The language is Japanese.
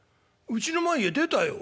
うちの前へ出たよ。